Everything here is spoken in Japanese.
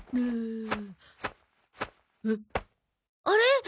あれ？